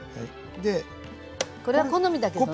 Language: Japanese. これは好みだけどね。